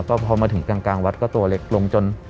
ก็พอมาถึงกลางวัดก็ตัวเล็กลงจน